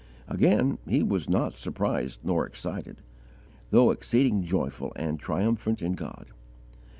Again he was not surprised nor excited, though exceeding joyful and triumphant in God.